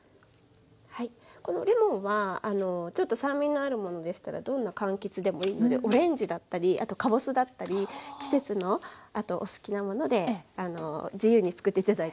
このレモンはちょっと酸味のあるものでしたらどんなかんきつでもいいのでオレンジだったりカボスだったり季節のお好きなもので自由に作って頂いて大丈夫です。